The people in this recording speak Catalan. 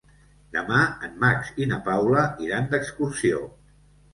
Demà en Max i na Paula iran d'excursió.